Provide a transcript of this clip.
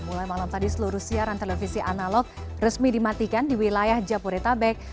mulai malam tadi seluruh siaran televisi analog resmi dimatikan di wilayah jabodetabek